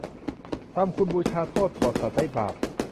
ทำคุณบูชาโทษโปรดสัตว์ได้บาป